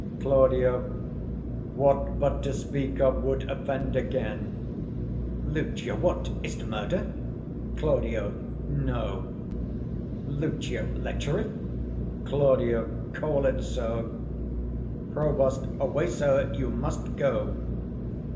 Claud. What but to speak of would offend again. Lucio. What, is't murder? 130 Claud. No. Lucio. Lechery? Claud. Call it so. Prov. Away, sir! you must go.